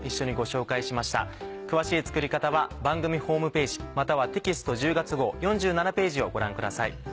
詳しい作り方は番組ホームページまたはテキスト１０月号４７ページをご覧ください。